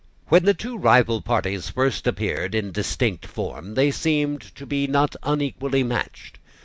When the rival parties first appeared in a distinct form, they seemed to be not unequally matched.